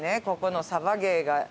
ここのサバゲーが。